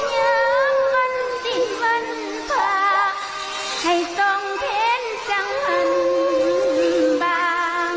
อยากมันติดมันผ่าให้ต้องเพ้นจังหันบาง